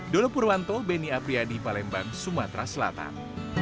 dolo purwanto benny apriadi palembang sumatera selatan